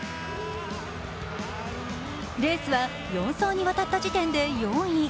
レースは、４走にわたった時点で４位。